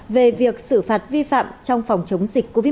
về việc xử phạt vi phạm trong phòng chống dịch covid một mươi chín